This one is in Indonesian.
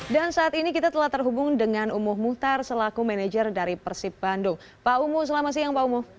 dan saat ini kita telah terhubung dengan umuh muhtar selaku manajer dari persib bandung